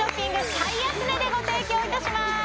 最安値でご提供いたします！